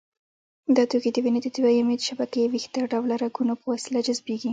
دا توکي د وینې د دویمې شبکې ویښته ډوله رګونو په وسیله جذبېږي.